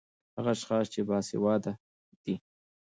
هغه اشحاص چې باسېواده دي